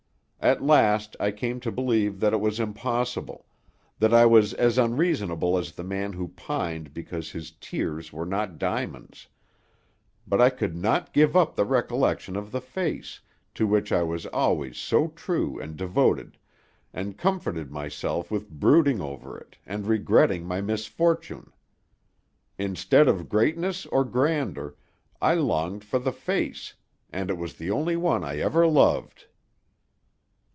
At last I came to believe that it was impossible; that I was as unreasonable as the man who pined because his tears were not diamonds; but I could not give up the recollection of the face, to which I was always so true and devoted, and comforted myself with brooding over it, and regretting my misfortune. Instead of greatness or grandeur, I longed for the face, and it was the only one I ever loved."